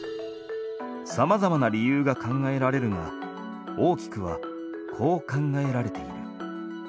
さまざまな理由が考えられるが大きくはこう考えられている。